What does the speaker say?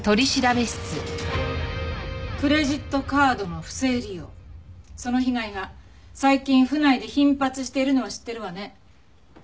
クレジットカードの不正利用その被害が最近府内で頻発しているのは知ってるわね？